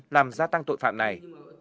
làm gia tăng tội phạm này